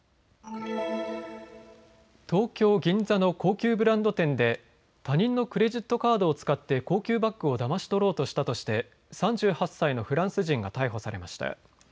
東京銀座の高級ブランド店で他人のクレジットカードを使って高級バッグをだまし取ろうとしたとして３８歳のフランス人が逮捕されました。